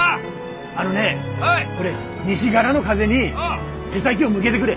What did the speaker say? あのねこれ西がらの風に舳先を向けでくれ。